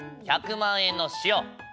１００万円の塩。